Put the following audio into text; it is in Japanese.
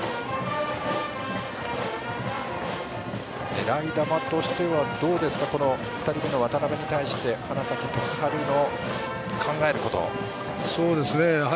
狙い球としてはどうですか２人目の渡邉に対して花咲徳栄の考えることは。